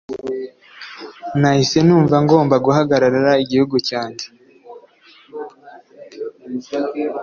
nahise numva ngomba guhagararira igihugu cyanjye